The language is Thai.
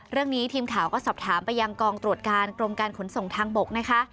เรื่องนี้ทีมข่าวก็สอบถามไปยังกองตรวจการกรมการขนส่งทางบกนะคะ